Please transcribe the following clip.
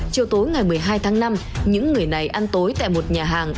chiều tối ngày một mươi hai tháng năm những người này ăn tối tại một nhà hàng